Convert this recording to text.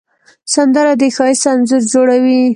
سندره د ښایست انځور جوړوي